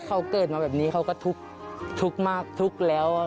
เขาเกิดมาแบบนี้เขาก็ทุกข์มากทุกข์แล้ว